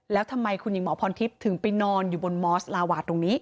แล้วทำไมคุณหญิงหมอพรทิพย์ถึงไปนอนอยู่บนมอสลาวาดตรงนี้